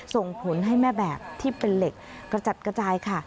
ส่งผลให้แม่แบบที่เป็นเหล็กกระจัดกระจายค่ะ